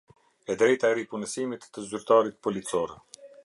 E drejta e ripunësimit të zyrtarit policor.